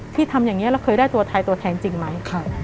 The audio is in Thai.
ที่ทำอย่างนี้เราเคยได้ตัวไทยตัวแทนจริงไหม